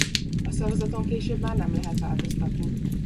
A szavazaton később már nem lehet változtatni.